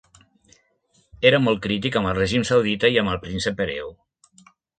Era molt crític amb el règim saudita i amb el príncep hereu.